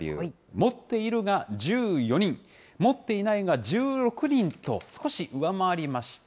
持っているが１４人、持っていないが１６人と、少し上回りました。